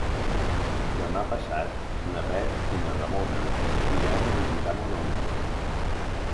Demà passat na Bet i na Ramona iran a visitar mon oncle.